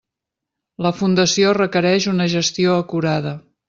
La fundació requereix una gestió acurada.